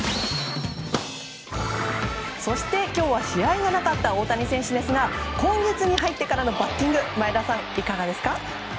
そして今日は試合がなかった大谷選手ですが今月に入ってからのバッティング前田さん、いかがですか？